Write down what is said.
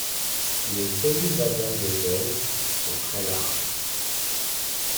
Les cellules basales des ailes sont très larges.